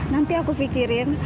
nanti aku fikirin